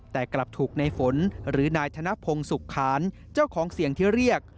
แต่กลับถูกในฝนหรือนายธนพงศุกร์ขานเจ้าของเสียงที่เรียก